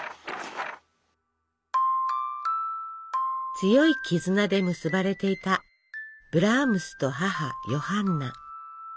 強い絆で結ばれていたブラームスと母ヨハンナ。